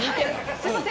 すいません。